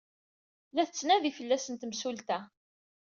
La tettnadi fell-asen temsulta.